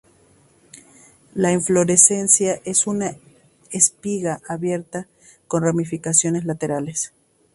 La inflorescencia es una espiga abierta con ramificaciones laterales.